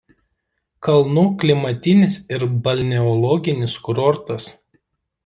Kalnų klimatinis ir balneologinis kurortas.